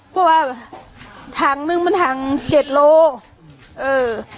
เพราะว่าทางนึงมันห่างเจ็ดโลเออ